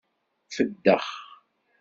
Feddex.